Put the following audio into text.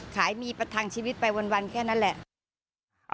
ขายมีประทังชีวิตไปวันแค่นั้นแหละ